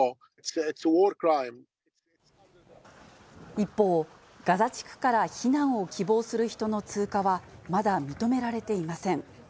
一方、ガザ地区から避難を希望する人の通過は、まだ認められていません。